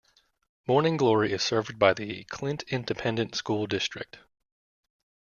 Morning Glory is served by the Clint Independent School District.